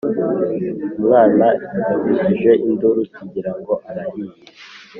Umwana yavugije induru tugirango arahiye